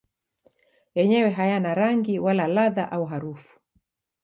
Yenyewe hayana rangi wala ladha au harufu.